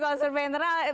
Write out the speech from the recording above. kalau survei internal